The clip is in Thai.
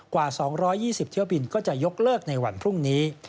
กว่า๒๒๐เที่ยวบินก็จะยกเลิกในวันพรุ่งนี้